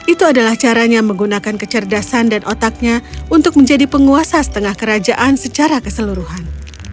itu adalah caranya menggunakan kecerdasan dan otaknya untuk menjadi penguasa setengah kerajaan secara keseluruhan